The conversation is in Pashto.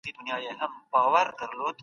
هغه خپل عزت وساتی او بد کار يې ونه کړ.